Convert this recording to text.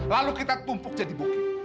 lalu kita tumpuk jadi bukit